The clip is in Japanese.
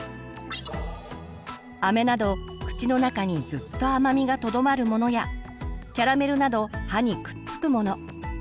あめなど口の中にずっと甘みがとどまるものやキャラメルなど歯にくっつくもの。